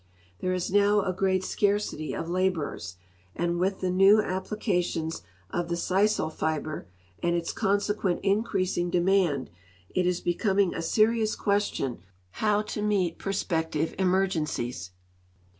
There is now a great scarcity of laborei's, and with the new applications of the sisal fiber and its conseciuent increasing demand it is becoming a serious question how to meet prospective emergencies.